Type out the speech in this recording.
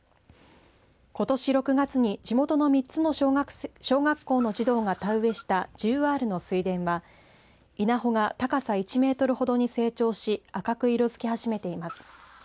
ことし６月に地元の３つの小学校が田植えした１０アールの水田は稲穂は高さ１メートルほどに成長し赤く色づき始めています。